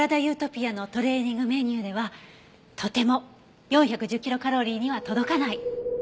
ゆーとぴあのトレーニングメニューではとても４１０キロカロリーには届かない。